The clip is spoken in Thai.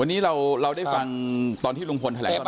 วันนี้เราได้ฟัง